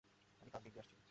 আমি কাল দিল্লি আসছি।